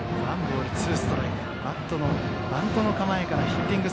バントの構えからヒッティング。